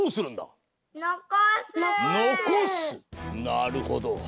なるほど。